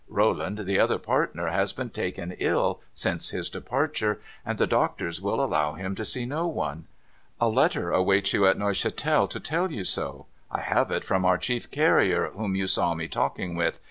Rolland, the other partner, has been taken ill since his departure, and the doctors will allow him to see no one. A letter awaits you at Neuchatel to tell you so. I have it from our chief carrier whom you saw me talking with.